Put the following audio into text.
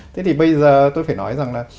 thế thì bây giờ tôi phải nói rằng là